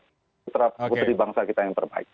untuk memperbaiki bangsa kita yang terbaik